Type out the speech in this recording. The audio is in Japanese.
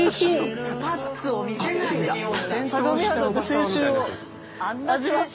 スパッツを見せないで美穂さん。